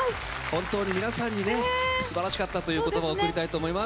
本当に皆さんに素晴らしかったという言葉を送りたいと思います。